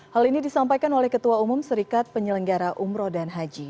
hal ini disampaikan oleh ketua umum serikat penyelenggara umroh dan haji